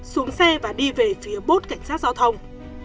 xuống xe và đi về phía bốt cảnh sát giao thông